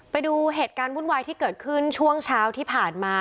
ไปดูเหตุการณ์วุ่นวายที่เกิดขึ้นช่วงเช้าที่ผ่านมา